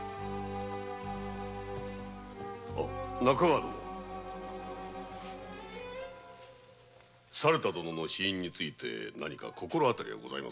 中川殿猿田殿の死因に何か心当たりはございませんか？